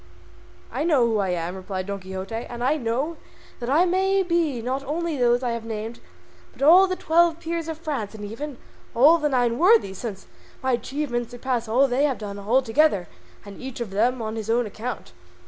"I know who I am," replied Don Quixote, "and I know that I may be not only those I have named, but all the Twelve Peers of France and even all the Nine Worthies, since my achievements surpass all that they have done all together and each of them on his own account."